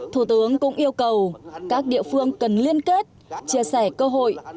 thủ tướng cũng yêu cầu các địa phương cần liên kết chia sẻ cơ hội